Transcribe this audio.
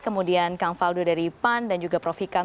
kemudian kang faldo dari pan dan juga prof hikam